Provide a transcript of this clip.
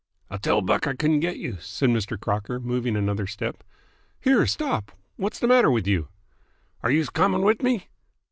"I'll tell Buck I couldn't get you," said Mr. Crocker, moving another step. "Here, stop! What's the matter with you?" "Are youse comin' wit me?"